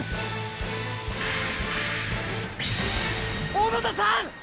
小野田さん！